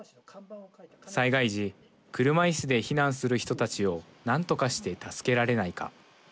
災害時車いすで避難する人たちを何とかして助けられないか。